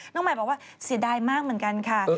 น้องใหม่บอกว่าเสียดายมากเหมือนกันค่ะ